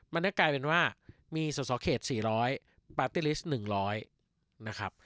มันก็กลายเป็นว่ามีสอสอเขตสี่ร้อยปาร์ตี้ลิสต์หนึ่งร้อยนะครับ